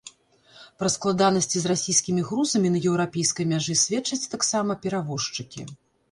Пра складанасці з расійскімі грузамі на еўрапейскай мяжы сведчаць таксама перавозчыкі.